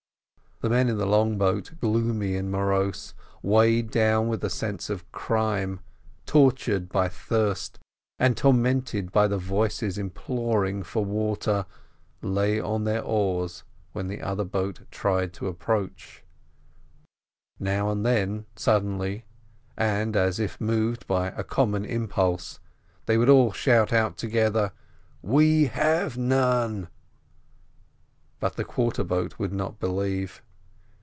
The men in the long boat, gloomy and morose, weighed down with a sense of crime, tortured by thirst, and tormented by the voices imploring for water, lay on their oars when the other boat tried to approach. Now and then, suddenly, and as if moved by a common impulse, they would all shout out together: "We have none." But the quarter boat would not believe.